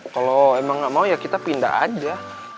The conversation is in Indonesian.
kalau emang nggak mau ya kita pindah aja